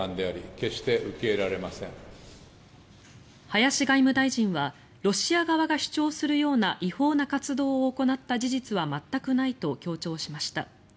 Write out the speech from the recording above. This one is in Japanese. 林外務大臣はロシア側が主張するような違法な活動を行った事実は全くないと強調しました。